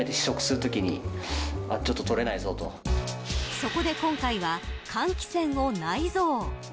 そこで今回は換気扇を内蔵。